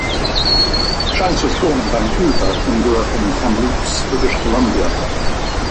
Shanks was born in Vancouver, and grew up in Kamloops, British Columbia.